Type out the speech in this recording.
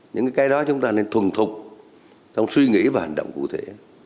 những cái đó chúng ta nên thuần thục trong suy nghĩ và hành động cụ thể